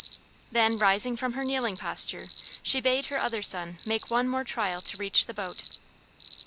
Then rising from her kneeling posture, she bade her other son make one more trial to reach the boat.